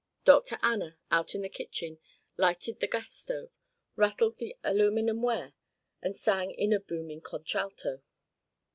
Dr. Anna, out in the kitchen, lighted the gas stove, rattled the aluminum ware, and sang in a booming contralto.